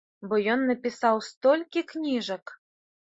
Бо ён напісаў столькі кніжак!